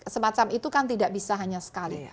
semacam itu kan tidak bisa hanya sekali